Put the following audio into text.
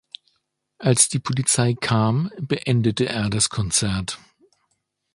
Als die Polizei kam, beendete er das Konzert.